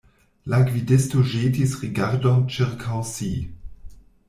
La gvidisto ĵetis rigardon ĉirkaŭ si.